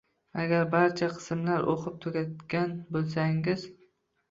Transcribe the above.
Agar barcha qismlarni oʻqib tugatgan boʻlsangiz.